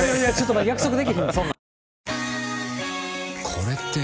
これって。